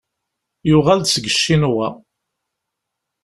Yuɣal-d seg Ccinwa.